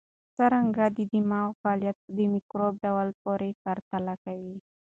څېړونکي د دماغ فعالیت د مایکروب ډول پورې پرتله کوي.